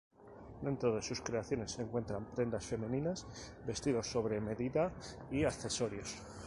Dentro de sus creaciones se encuentran prendas femeninas, vestidos sobre medida y accesorios.